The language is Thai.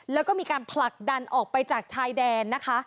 แล้วก็มีการผลักดันออกไปจากชายแดนนะคะ